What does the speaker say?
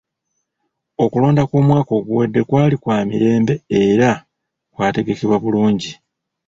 Okulonda kw'omwaka oguwedde kwali kwa mirembe era kwategekebwa bulungi.